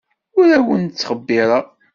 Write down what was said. Ur awent-ttbexxireɣ.